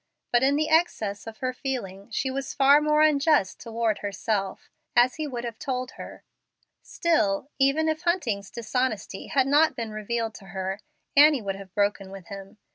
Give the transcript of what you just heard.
But in the excess of her feelings she was far more unjust toward herself, as he would have told her. Still, even if Hunting's dishonesty had not been revealed to her, Annie would have broken with him.